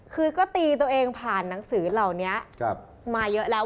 คือก็ตีตัวเองผ่านหนังสือเหล่านี้มาเยอะแล้ว